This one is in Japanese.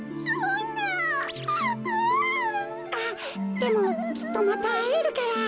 でもきっとまたあえるから。